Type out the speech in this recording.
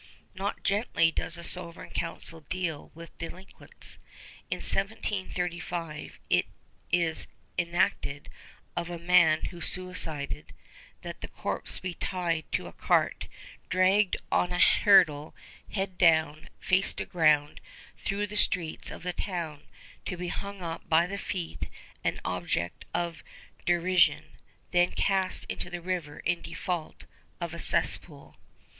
Not gently does the Sovereign Council deal with delinquents. In 1735 it is enacted of a man who suicided, "that the corpse be tied to a cart, dragged on a hurdle, head down, face to ground, through the streets of the town, to be hung up by the feet, an object of derision, then cast into the river in default of a cesspool."